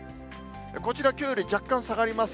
こちら、きょうより若干下がります。